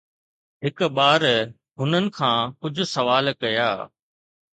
هڪ ٻار هنن کان ڪجهه سوال ڪيا